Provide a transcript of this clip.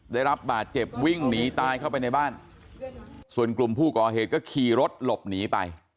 ได้รับบาดเจ็บวิ่งหนีตายเข้าไปในบ้านส่วนกลุ่มผู้ก่อเหตุก็ขี่รถหลบหนีไป